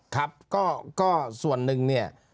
ครับก็ส่วนหนึ่งเนี่ย